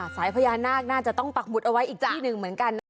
สายพญานาคน่าจะต้องปักหมุดเอาไว้อีกที่หนึ่งเหมือนกัน